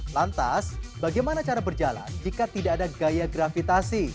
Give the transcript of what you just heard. lantas bagaimana cara berjalan jika tidak ada gaya gravitasi